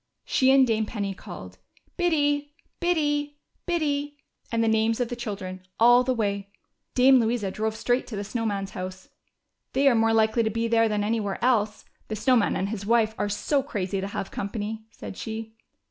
She and Dame Penny called "Biddy, Biddy, Biddy," and the names of the children, all the way. Dame Louisa drove straight to the Snow Man's house. " They are more likely to be there than anywhere else, the Snow Man and his wife are so crazy to have company," said she.